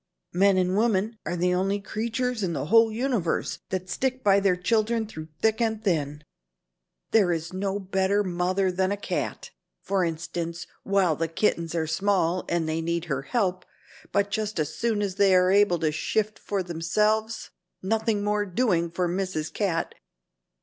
Men and women are the only creatures in the whole universe that stick by their children through thick and thin. There is no better mother than a cat, for instance, while the kittens are small and they need her help, but just as soon as they are able to shift for themselves, nothing more doing for Mrs. Cat.